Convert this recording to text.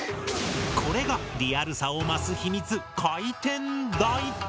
これがリアルさを増す秘密回転台。